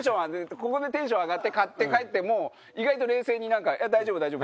ここでテンション上がって買って帰っても意外と冷静に大丈夫大丈夫